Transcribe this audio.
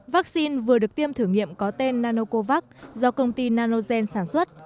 vaccine vừa được tiêm thử nghiệm có tên nanocovax do công ty nanogen sản xuất